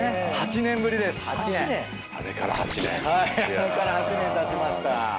あれから８年たちました。